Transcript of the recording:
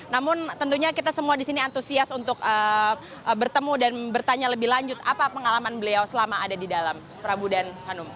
namun tentunya kita semua di sini antusias untuk bertemu dan bertanya lebih lanjut apa pengalaman beliau selama ada di dalam prabu dan hanum